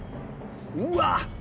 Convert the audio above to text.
うわ！